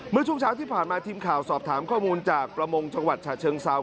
เมื่อช่วงเช้าที่ผ่านมาทีมข่าวสอบถามข้อมูลจากประมงจังหวัดฉะเชิงเซา